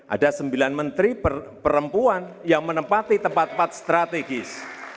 ada sembilan menteri perempuan yang menempati tempat tempat strategis